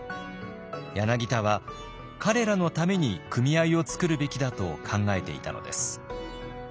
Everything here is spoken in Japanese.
柳田は彼らのために組合を作るべきだと考えていたのです。